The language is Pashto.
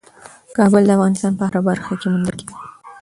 کابل د افغانستان په هره برخه کې موندل کېږي.